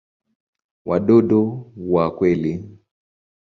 Wadudu wa kweli.